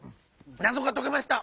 なぞがとけました！